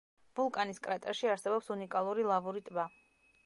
ვულკანის კრატერში არსებობს უნიკალური ლავური ტბა.